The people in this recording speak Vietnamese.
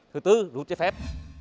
thứ tư rút chế phép